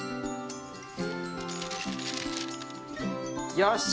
よし！